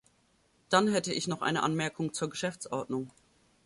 Dann hätte ich noch eine Anmerkung zur Geschäftsordnung.